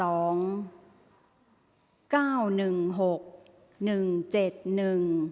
ออกรางวัลที่๖